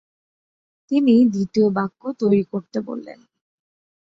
তিনি দ্বিতীয় বাক্য তৈরি করতে বলতেন।